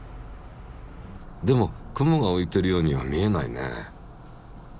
でも雲がういているようには見えないね。